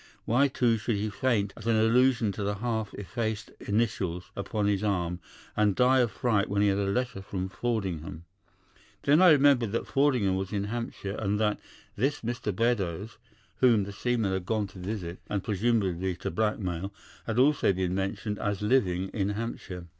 Why, too, should he faint at an allusion to the half effaced initials upon his arm, and die of fright when he had a letter from Fordingbridge? Then I remembered that Fordingbridge was in Hampshire, and that this Mr. Beddoes, whom the seaman had gone to visit and presumably to blackmail, had also been mentioned as living in Hampshire.